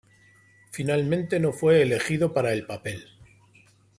Finalmente no fue elegido para el papel.